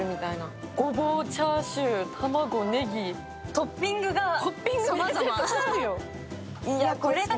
トッピングがさまざま。